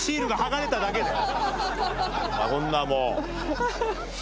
こんなもう。